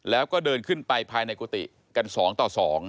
แล้วก็เดินขึ้นไปภายในกุฏิกัน๒ต่อ๒